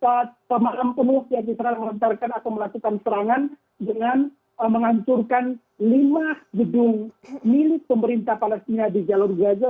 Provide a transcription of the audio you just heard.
tentunya fani telah melontarkan atau melakukan serangan dengan menghancurkan lima gedung milik pemerintah palestina di jalur gaza